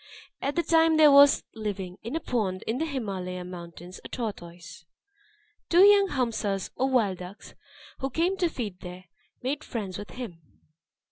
At that time there was living, in a pond in the Himalaya mountains, a tortoise. Two young hamsas, or wild ducks, who came to feed there, made friends with him.